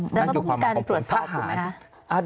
นั่นก็ต้องมีการตรวจสอบถูกไหมครับนั่นก็ต้องมีการตรวจสอบถูกไหมครับ